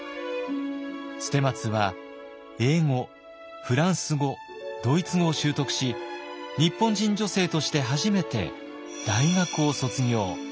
捨松は英語フランス語ドイツ語を習得し日本人女性として初めて大学を卒業。